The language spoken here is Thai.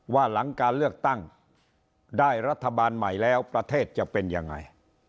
ว่าหลังการเลือกตั้งได้รัฐบาลใหม่แล้วประเทศจะเป็นยังไง